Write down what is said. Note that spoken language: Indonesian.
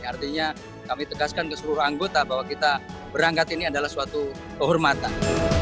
artinya kami tegaskan ke seluruh anggota bahwa kita berangkat ini adalah suatu kehormatan